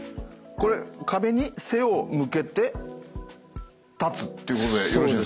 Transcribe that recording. これ壁に背を向けて立つっていうことでよろしいですか？